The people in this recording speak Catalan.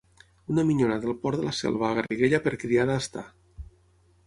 Una minyona del Port de la Selva a Garriguella per criada està.